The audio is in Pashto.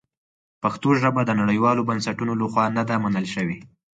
پښتو ژبه د نړیوالو بنسټونو لخوا نه ده منل شوې.